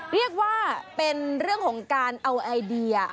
เรียกว่าเป็นเรื่องของการเอาไอเดีย